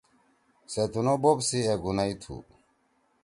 سے تُنُو بوپ سی ایگُونئی تُھو۔